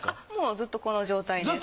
ずっとこの状態ね。